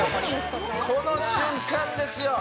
この瞬間ですよ。